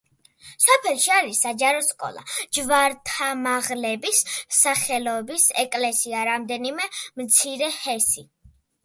სოფელში არის საჯარო სკოლა, ჯვართამაღლების სახელობის ეკლესია, რამდენიმე მცირე ჰესი.